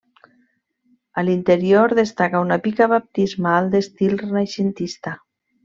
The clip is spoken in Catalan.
A l'interior destaca una pica baptismal d'estil renaixentista.